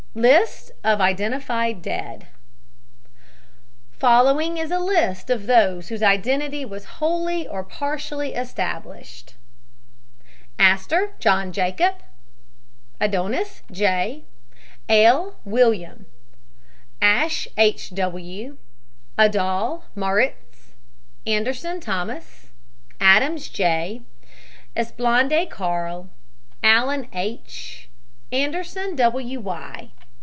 } LIST OF IDENTIFIED DEAD Following is a list of those whose identity was wholly or partially established: ASTOR, JOHN JACOB. ADONIS, J. ALE, WILLIAM. ARTAGAVEYTIA, RAMON. ASHE, H. W. ADAHL, MAURITZ. ANDERSON, THOMAS. ADAMS, J. ASPALANDE, CARL. ALLEN, H. ANDERSON, W. Y.